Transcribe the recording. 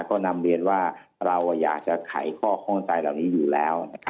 ก็นำเรียนว่าเราอยากจะไขข้อข้องใจเหล่านี้อยู่แล้ว